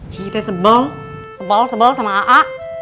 cici teh sebel sebel sebel sama a'a